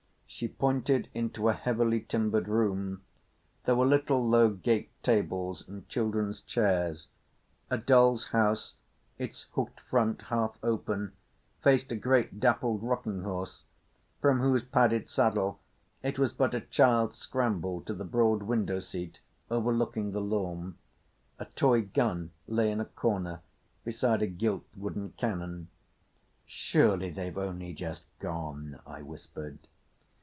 She pointed into a heavily timbered room. There were little low gate tables and children's chairs. A doll's house, its hooked front half open, faced a great dappled rocking horse, from whose padded saddle it was but a child's scramble to the broad window seat overlooking the lawn. A toy gun lay in a corner beside a gilt wooden cannon. "Surely they've only just gone," I whispered.